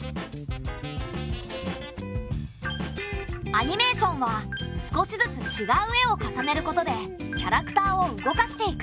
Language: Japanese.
アニメーションは少しずつちがう絵を重ねることでキャラクターを動かしていく。